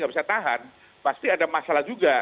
nggak bisa tahan pasti ada masalah juga